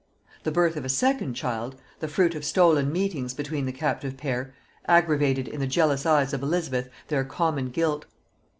The birth of a second child, the fruit of stolen meetings between the captive pair, aggravated in the jealous eyes of Elizabeth their common guilt.